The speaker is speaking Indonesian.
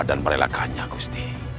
dan merelakannya gusti